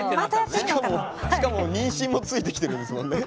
しかも妊娠もついてきてるんですもんね。